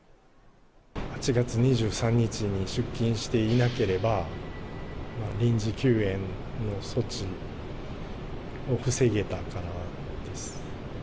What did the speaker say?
８月２３日に出勤していなければ、臨時休園の措置を防げたからです。